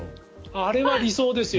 あれは理想ですよ。